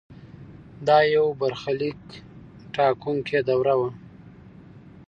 دا یو برخلیک ټاکونکې دوره وه.